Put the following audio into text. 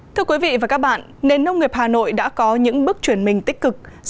thưa quý vị và các bạn nền nông nghiệp hà nội đã có những bước chuyển mình tích cực